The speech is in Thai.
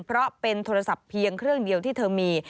เพราะเป็นโทรศัพท์เพียงเครื่องเดียวที่เธอมี